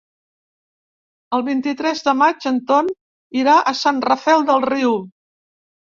El vint-i-tres de maig en Ton irà a Sant Rafel del Riu.